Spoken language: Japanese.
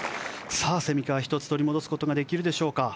蝉川、１つ取り戻すことができるでしょうか。